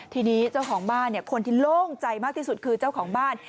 ทีนี้เจ้าของบ้านคนที่โล่งใจมากที่สุดคือเจ้าของบ้าน